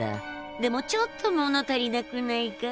でもちょっと物足りなくないかい？